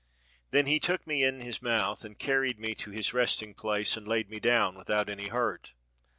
"Then he took me in his mouth and carried me to his resting place, and laid me down without any hurt.